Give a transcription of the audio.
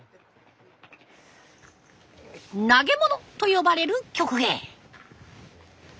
投げ物と呼ばれる曲芸。